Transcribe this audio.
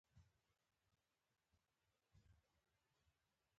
ما وویل انیلا ډېر جالب نوم دی